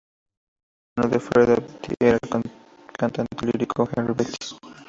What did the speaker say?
El hermano de Freda Betti era el cantante lírico Henri Betti.